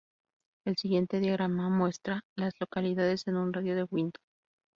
El siguiente diagrama muestra a las localidades en un radio de de Winton.